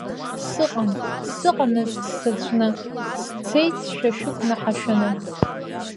Сыҟан, сыҟанаҵ сзаҵәны, сцеит шәа шәыгәнаҳа шәаны.